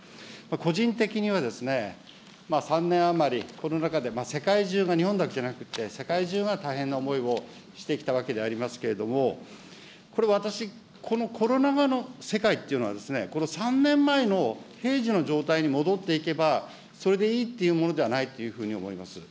個人的には、３年余り、コロナ禍で世界中が、日本だけじゃなくて、世界中が大変な思いをしてきたわけでありますけれども、これ、私、このコロナ禍の世界っていうのはですね、３年前の平時の状態に戻っていけばそれでいいっていうものではないというふうに思います。